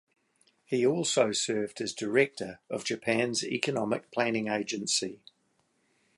He also served as director of Japan's Economic Planning Agency.